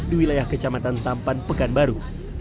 di wilayah kecamatan tampan pekanbaru